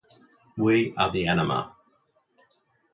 We are the Anima.